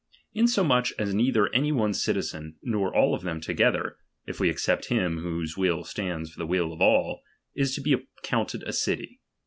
Insomuch as neither any one citizen, nor all of them together, (if we except him, whose will stands for the will of all), is to be accounted a city.